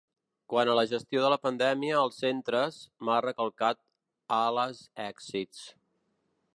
Quan a la gestió de la pandèmia als centres, n’ha recalcat eles èxits.